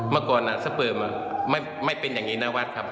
เมื่อก่อนสเปิมไม่เป็นอย่างนี้นะวัดครับ